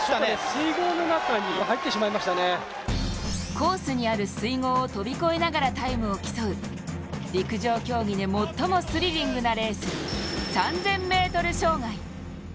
コースにある水濠を跳び越えながらタイムを競う陸上競技で最もスリリングなレース、３０００ｍ障害。